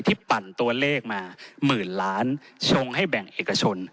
ปั่นตัวเลขมาหมื่นล้านชงให้แบ่งเอกชน